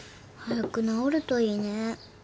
早く治るといいね。